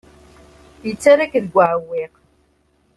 Yettarra-k deg uɛewwiq.